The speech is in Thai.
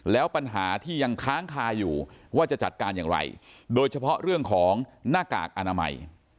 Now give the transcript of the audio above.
แล้วปัญหาที่ยังค้างคาอยู่ว่าจะจัดการอย่างไรโดยเฉพาะเรื่องของหน้ากากอนามัย